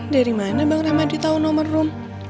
dari mana bang ramadi tau nomor rum